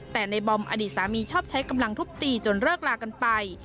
แต่ในบอมอดีตสามีชอบใช้กำลังทุบตีจนเลิกลากันไป